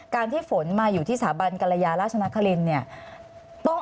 การที่ฝนมาอยู่ที่สถาบันกรยาราชนครินต์